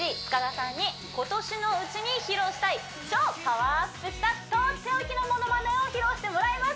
さんに今年の内に披露したい超パワーアップしたとっておきのモノマネを披露してもらいます！